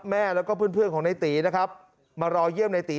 แม่แล้วก็เพื่อนของในตีนะครับมารอเยี่ยมในตี